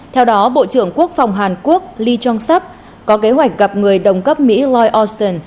theo đó bộ trưởng quốc phòng hàn quốc lee jong seop có kế hoạch gặp người đồng cấp mỹ lloyd austin